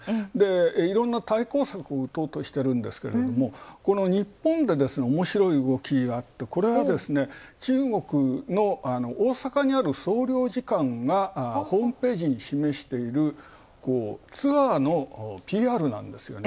いろんな対抗策を打とうとしてるんですが、日本でおもしろい動きがあってこれは、中国の大阪総領事館のホームページに示している、ツアーのＰＲなんですね。